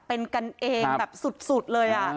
เป็นกันเองแบบสุดเลย